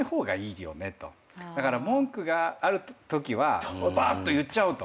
だから文句があるときはばーっと言っちゃおうと。